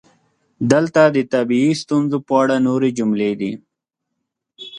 دلته د طبیعي ستونزو په اړه نورې جملې دي: